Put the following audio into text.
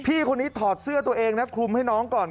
พี่คนนี้ถอดเสื้อตัวเองนะคลุมให้น้องก่อน